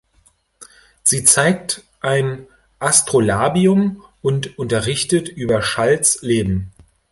Sie zeigt ein Astrolabium und unterrichtet über Schalls Leben.